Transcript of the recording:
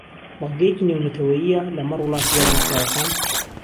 بەڵگەیەکی نێونەتەوەیییە لەمەڕ وڵاتە داگیرکراوەکان